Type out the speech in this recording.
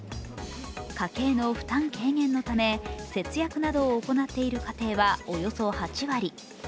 家計の負担軽減のため節約などを行っている家庭はおよそ８割。